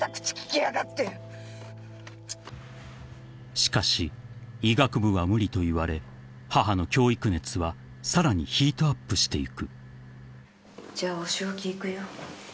［しかし医学部は無理と言われ母の教育熱はさらにヒートアップしていく］